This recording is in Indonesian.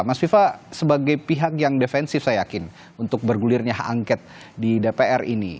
mas viva sebagai pihak yang defensif saya yakin untuk bergulirnya hak angket di dpr ini